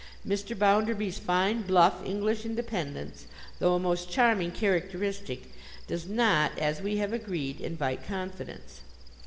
Mr. Bounderby's fine bluff English independence, though a most charming characteristic, does not—as we have agreed—invite confidence.